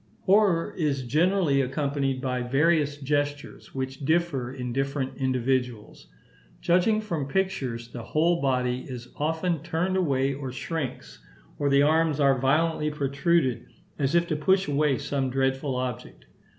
Horror is generally accompanied by various gestures, which differ in different individuals. Judging from pictures, the whole body is often turned away or shrinks; or the arms are violently protruded as if to push away some dreadful object.